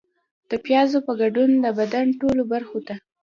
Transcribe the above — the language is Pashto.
د پیازو په ګډون د بدن ټولو برخو ته